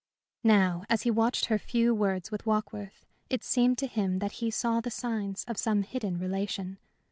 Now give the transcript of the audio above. Now, as he watched her few words with Warkworth, it seemed to him that he saw the signs of some hidden relation.